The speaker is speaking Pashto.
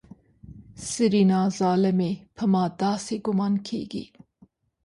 سېرېنا ظالمې په ما داسې ګومان کېږي.